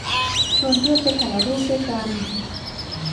ชวนเพื่อนไปถ่ายรูปด้วยกัน